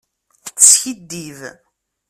Teskiddib.